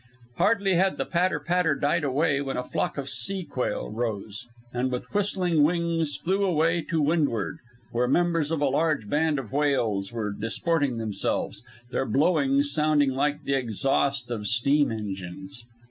Hardly had the patter, patter died away when a flock of sea quail rose, and with whistling wings flew away to windward, where members of a large band of whales were disporting themselves, their blowings sounding like the exhaust of steam engines.